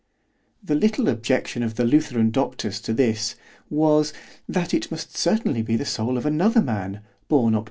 The little objection of the Lutheran doctors to this, was, that it must certainly be the soul of another man, born _Oct.